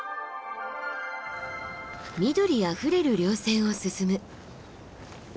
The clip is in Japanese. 緑あふれる稜線を進む。